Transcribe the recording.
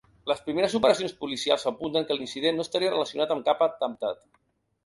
Les primeres operacions policials apunten que l’incident no estaria relacionat amb cap atemptat.